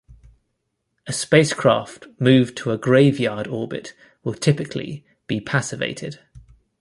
A spacecraft moved to a graveyard orbit will typically be passivated.